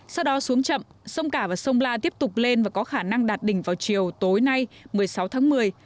sau đó xuống chậm sông cả và sông la tiếp tục lên và có khả năng đạt đỉnh vào chiều tối nay một mươi sáu tháng một mươi